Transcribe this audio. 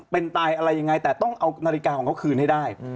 เป็นตายอะไรยังไงแต่ต้องเอานาฬิกาของเขาคืนให้ได้